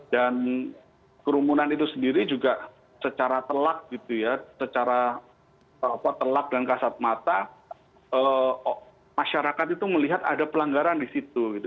dan kerumunan itu sendiri juga secara telak gitu ya secara telak dan kasat mata masyarakat itu melihat ada pelanggaran di situ gitu